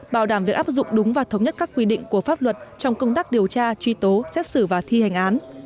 bảo đảm việc áp dụng đúng và thống nhất các quy định của pháp luật trong công tác điều tra truy tố xét xử và thi hành án